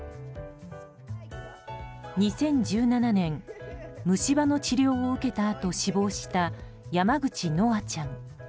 ２０１７年虫歯の治療を受けたあと死亡した山口叶愛ちゃん。